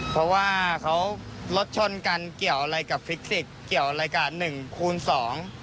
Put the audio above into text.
เพราะว่าเขารถชนกันเกี่ยวอะไรกับฟิกสิกส์เกี่ยวอะไรกับหนึ่งคูณสอง